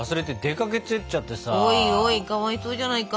おいおいかわいそうじゃないか。